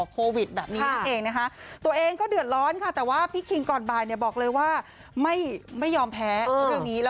พี่น้องที่นั่นลำบากค่ะ